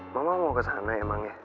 mama mau ke sana ya mang